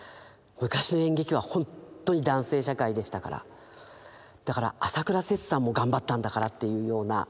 昔の演劇はほんとに男性社会でしたからだから朝倉摂さんも頑張ったんだからというような心の支えでしたね。